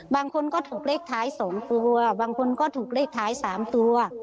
บางคนก็ถูกเล็กท้ายสองตัวบางคนก็ถูกเล็กท้ายสามตัว